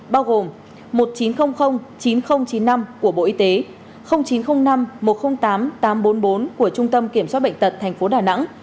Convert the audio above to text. bao gồm một nghìn chín trăm linh chín nghìn chín mươi năm của bộ y tế chín trăm linh năm một trăm linh tám tám trăm bốn mươi bốn của trung tâm kiểm soát bệnh tật tp đà nẵng